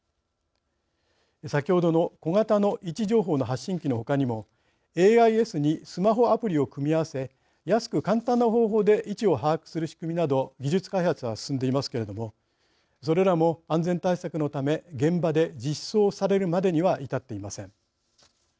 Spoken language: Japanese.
先ほどの小型の位置情報の発信機のほかにも、ＡＩＳにスマホアプリを組み合わせ安く簡単な方法で位置を把握する仕組みなど技術開発は進んでいますけれどもそれらも安全対策のため現場で実装されるまでには至っていません。